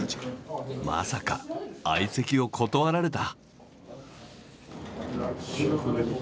まさか相席を断られた。